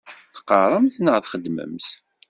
Teqqaṛemt neɣ txeddmemt?